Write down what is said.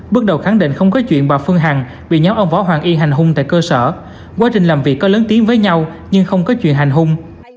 bước đầu khẳng định không có chuyện bà phương hằng bị nhóm ông võ hoàng y hành hung tại cơ sở quá trình làm việc có lớn tiếng với nhau nhưng không có chuyện hành hung